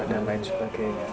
dan lain sebagainya